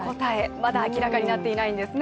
まだ明らかになっていないんですね。